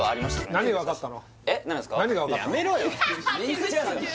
何が分かったの？